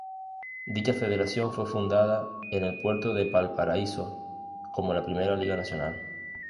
Dicha federación fue fundada en el Puerto de Valparaíso como la primera liga nacional.